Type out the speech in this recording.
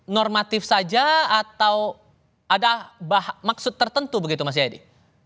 normatif saja atau ada maksud tertentu begitu mas jayadi